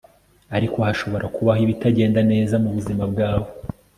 ariko hashobora kubaho ibitagenda neza mubuzima bwawe